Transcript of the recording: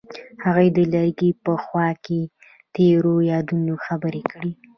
هغوی د لرګی په خوا کې تیرو یادونو خبرې کړې.